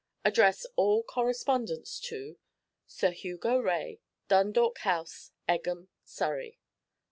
Address all correspondence to '"SIR HUGO RAE, '"Dundalk House, Egham, '"Surrey."'